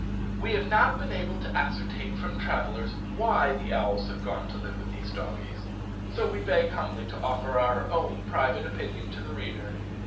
We have not been able to ascertain from travellers why the owls have gone to live with these doggies, so we beg humbly to offer our own private opinion to the reader.